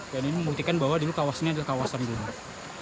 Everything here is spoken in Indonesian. dan ini membuktikan bahwa dulu kawasannya adalah kawasan gunung